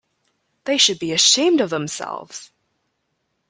They should be ashamed of themselves!